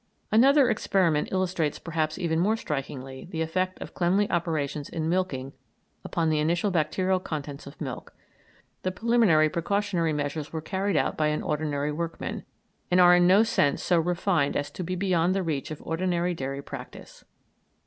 Another experiment illustrates perhaps even more strikingly the effect of cleanly operations in milking upon the initial bacterial contents of milk. The preliminary precautionary measures were carried out by an ordinary workman, and are in no sense so refined as to be beyond the reach of ordinary daily practice.